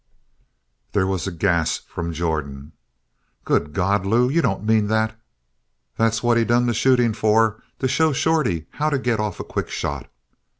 There was a gasp from Jordan. "Good God, Lew! You don't mean that!" "That's what he done the shooting for to show Shorty how to get off a quick shot.